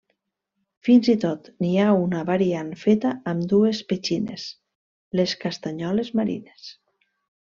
Fins i tot, n'hi ha una variant feta amb dues petxines: les castanyoles marines.